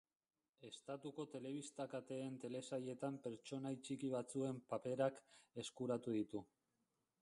Estatuko telebista-kateen telesailetan pertsonai txiki batzuen paperak eskuratu ditu.